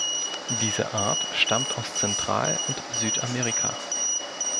Diese Art stammt aus Zentral- und Südamerika.